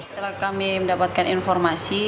setelah kami mendapatkan informasi